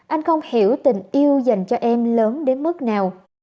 anh không hiểu tình yêu dành cho em lớn đến mức nào